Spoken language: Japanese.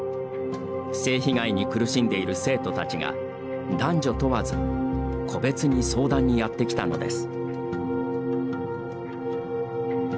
性被害に苦しんでいる生徒たちが男女問わず個別に相談にやってきたのです。